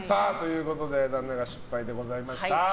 残念ながら失敗でございました。